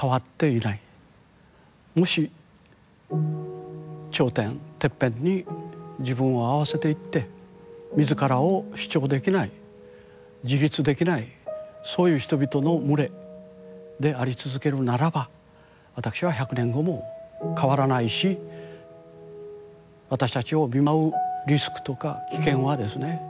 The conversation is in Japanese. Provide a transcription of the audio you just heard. もし頂点てっぺんに自分を合わせていって自らを主張できない自立できないそういう人々の群れであり続けるならば私は１００年後も変わらないし私たちを見舞うリスクとか危険はですね